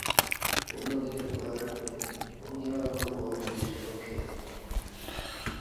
অন্যদিকে বোলারের বোলিং ভঙ্গীমার উপর বল নির্দিষ্ট লক্ষ্যে গমন করে।